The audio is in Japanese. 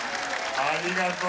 ありがとう！